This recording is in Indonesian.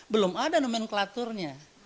belum ada nomenklaturnya